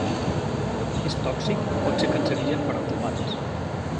És tòxic i pot ser cancerigen per als humans.